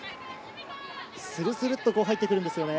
スルスルっと入ってくるんですよね。